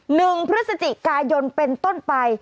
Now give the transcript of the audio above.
หนึ่งพฤศจิกายนเป็นต้นไป